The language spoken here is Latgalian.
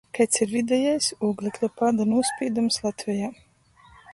Kaids ir videjais ūglekļa pāda nūspīdums Latvejā?